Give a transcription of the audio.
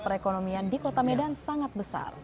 perekonomian di kota medan sangat besar